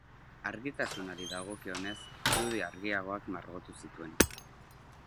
Argitasunari dagokionez, irudi argiagoak margotu zituen.